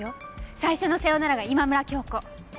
最初の「さよなら」が今村恭子。